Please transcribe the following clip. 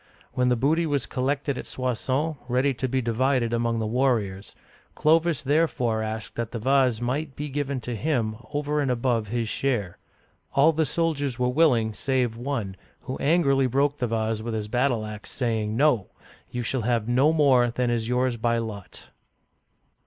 When the booty was collected at Soissons, ready to be divided among the warriors, Clovis therefore asked that the vase might be given to him over and above his share. All the soldiers were willing save one, who angrily broke the vase with his battle ax, saying, " No ; you shall have no more than is yours by lot